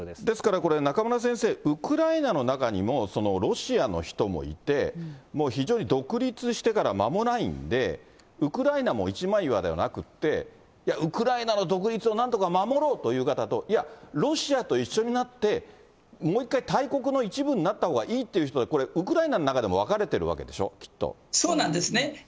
ですからこれ、中村先生、ウクライナの中にも、ロシアの人もいて、もう非常に独立してから間もないんで、ウクライナも一枚岩ではなくって、ウクライナの独立をなんとか守ろうという方と、いや、ロシアと一緒になって、もう一回、大国の一部になったほうがいいって言う人、これ、ウクライナの中でも分かれてるわけでしょ、そうなんですね。